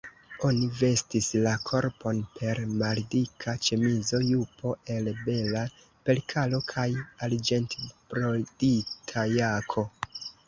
Oni vestis la korpon per maldika ĉemizo, jupo el bela perkalo kaj arĝentbrodita jako.